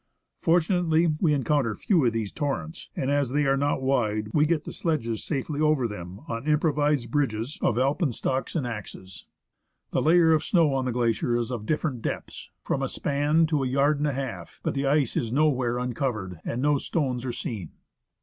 Fortunately we encounter few of these torrents, and as they are not wide, we get the sledges safely over them on improvised bridges of alpenstocks and axes. The layer of snow on the glacier is of different depths, from a span to a yard and a half; but the ice is nowhere uncovered, and no stones are seen.